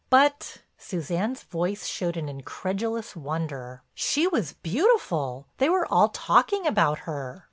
"But—" Suzanne's voice showed an incredulous wonder, "she was beautiful; they were all talking about her."